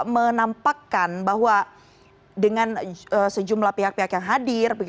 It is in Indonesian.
menampakkan bahwa dengan sejumlah pihak pihak yang hadir